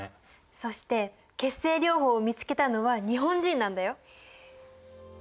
そして血清療法を見つけたのは日本人なんだよ。